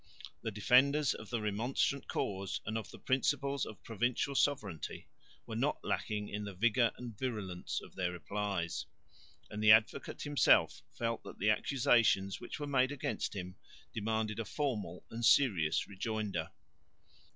The defenders of the Remonstrant cause and of the principles of provincial sovereignty were not lacking in the vigour and virulence of their replies; and the Advocate himself felt that the accusations which were made against him demanded a formal and serious rejoinder.